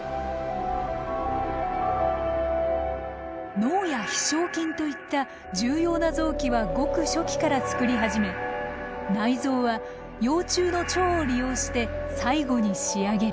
脳や飛しょう筋といった重要な臓器はごく初期から作り始め内臓は幼虫の腸を利用して最後に仕上げる。